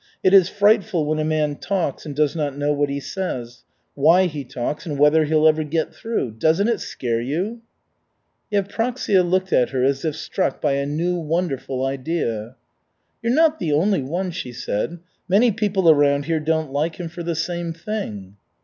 It is frightful when a man talks and does not know what he says, why he talks and whether he'll ever get through. Doesn't it scare you?" Yevpraksia looked at her as if struck by a new, wonderful idea. "You're not the only one," she said. "Many people around here don't like him for the same thing."